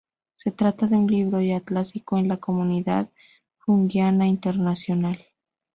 Se trata de un libro ya clásico en la comunidad junguiana internacional.